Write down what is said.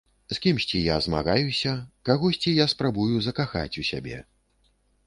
З кімсьці я змагаюся, кагосьці я спрабую закахаць у сябе.